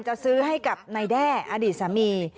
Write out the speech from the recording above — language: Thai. จะซื้อให้กับนายแด้อดีตสามี